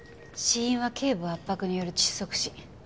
死因は頸部圧迫による窒息死。